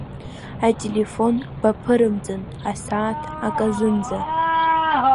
Ателефон баԥырымҵын асааҭ аказынӡа.